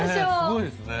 すごいですね。